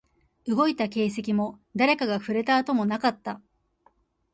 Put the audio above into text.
動いた形跡も、誰かが触れた跡もなかった